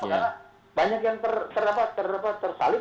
karena banyak yang tersalit